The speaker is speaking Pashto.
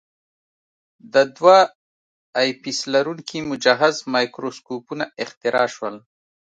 د دوه آی پیس لرونکي مجهز مایکروسکوپونه اختراع شول.